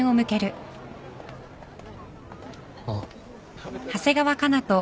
あっ。